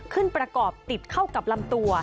ประกอบติดเข้ากับลำตัว